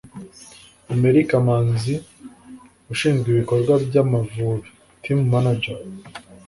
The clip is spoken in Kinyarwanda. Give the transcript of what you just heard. Emery Kamanzi ushinzwe ibikorwa by'Amavubi (Team Manager)